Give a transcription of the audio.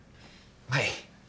はい。